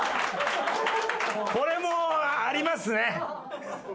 これもありますね！